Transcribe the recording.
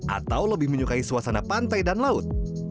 atau lebih menyukai suasana pantai dan laut